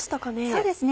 そうですね。